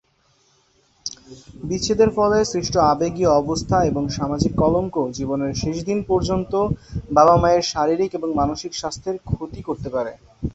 বিচ্ছেদের ফলে সৃষ্ট আবেগীয় অবস্থা এবং সামাজিক কলঙ্ক জীবনের শেষ দিন পর্যন্ত বাবা-মায়ের শারীরিক এবং মানসিক স্বাস্থ্যের ক্ষতি করতে পারে।